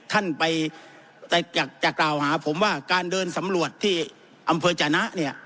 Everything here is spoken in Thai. ท่านไปจะกล่าวหาผมว่าการเดินสำรวจที่อำเภอจนะเนี่ย